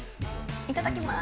いただきます。